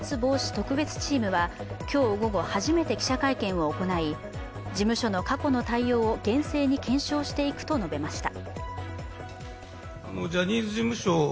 特別チームは今日午後初めて記者会見を行い事務所の過去の対応を厳正に検証していくと述べました。